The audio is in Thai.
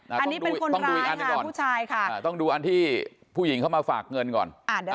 อันนี้เป็นคนร้ายค่ะผู้ชายค่ะต้องดูอันที่ผู้หญิงเข้ามาฝากเงินก่อน